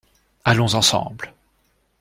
Allons ensemble.